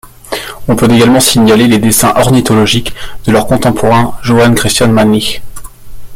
On peut également signaler les dessins ornithologiques de leur contemporain Johann Christian Mannlich.